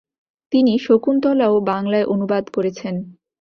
তিনি শকুন্তলাও বাংলায় অনুবাদ করেছেন।